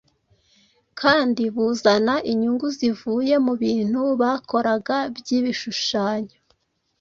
kandi buzana inyungu zivuye mu bintu bakoraga by’ibishushanyo